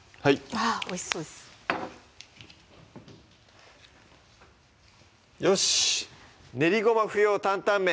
あぁおいしそうですよし「練りごま不要！担々麺」